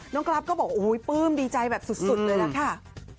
น้องกลับก็บอกโอ้ยปลื้มดีใจแบบสุดเลยน่ะข่า